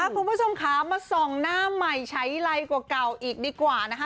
คุณผู้ชมค่ะมาส่องหน้าใหม่ใช้ไรกว่าเก่าอีกดีกว่านะคะ